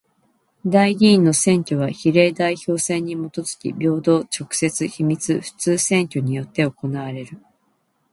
代議員の選挙は比例代表制にもとづき平等、直接、秘密、普通選挙によって行われる。